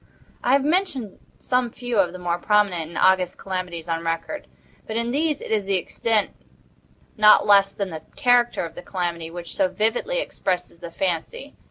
I have mentioned some few of the more prominent and august calamities on record; but in these it is the extent, not less than the character of the calamity, which so vividly impresses the fancy.